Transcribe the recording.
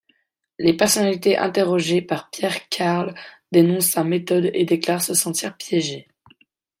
Les personnalités interrogées par Pierre Carles dénoncent sa méthode et déclarent se sentir piégés.